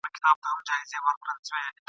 یوه ورځ به یې بېغمه له غپا سو !.